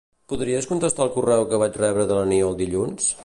Podries contestar el correu que vaig rebre de l'Aniol dilluns?